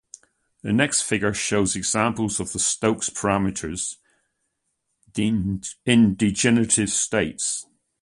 The next figure shows examples of the Stokes parameters in degenerate states.